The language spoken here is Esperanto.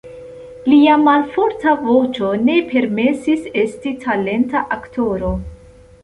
Lia malforta voĉo ne permesis esti talenta aktoro.